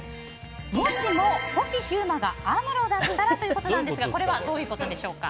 もしも星飛雄馬がアムロだったらということなんですがこれはどういうことでしょうか？